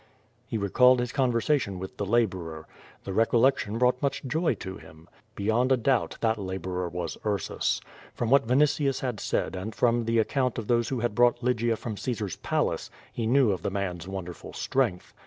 He recalled his conversation with the laborer. The recol lection brought much joy to him. Beyond a doubt that la borer was Ursus. From what Vinitius had said and from the acount of those who had brought Lygia from Caesar's palace, he knew of the man's wonderful strength.